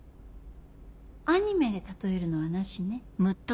アニメで例えるのはなしね。